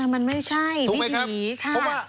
มันไม่ใช่ไม่ดีค่ะเพราะว่าถูกไหมครับ